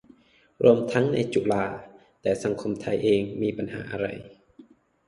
รวมทั้งในจุฬา แต่สังคมไทยเองมีปัญหาอะไร